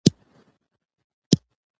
محمد عابد جابري مشهور کس دی